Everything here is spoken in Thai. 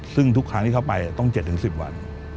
ซึ่งทุกครั้งที่เข้าไปต้อง๗๑๐วัน